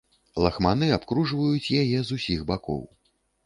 Лахманы абкружваюць яе з усіх бакоў.